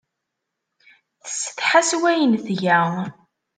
Tessetḥa s wayen tga.